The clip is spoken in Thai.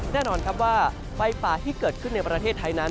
แน่นอนครับว่าไฟป่าที่เกิดขึ้นในประเทศไทยนั้น